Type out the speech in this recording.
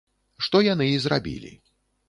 Што яны і зрабілі.